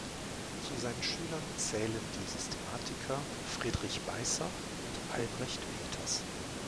Zu seinen Schülern zählen die Systematiker Friedrich Beißer und Albrecht Peters.